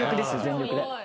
全力で。